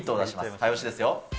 早押しですよ。